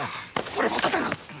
俺も戦う！